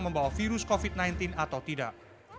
membawa virus covid sembilan belas atau tidak